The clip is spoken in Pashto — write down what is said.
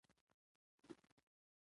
هر ټيم ته دوه اوپنران يي.